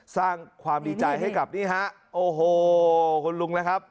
สร้างความดีใจให้กับนี่ฮะโอ้โหคุณลุงนะครับ